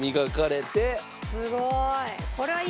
すごい。